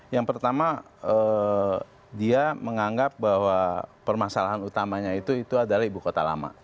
yang pertama dia menganggap bahwa permasalahan utamanya itu adalah ibu kota lama